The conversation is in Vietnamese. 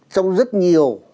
trong rất nhiều